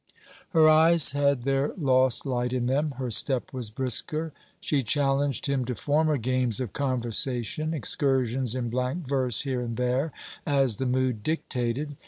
Her eyes had their lost light in them, her step was brisker; she challenged him to former games of conversation, excursions in blank verse here and there, as the mood dictated.